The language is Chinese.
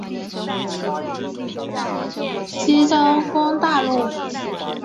齐悼公大怒。